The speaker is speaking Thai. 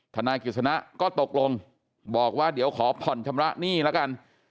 นายกิจสนะก็ตกลงบอกว่าเดี๋ยวขอผ่อนชำระหนี้แล้วกัน